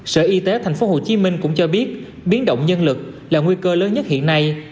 sở y tế tp hcm cũng cho biết biến động nhân lực là nguy cơ lớn nhất hiện nay